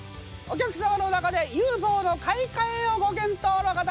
お客様の中でＵＦＯの買い替えをご検討の方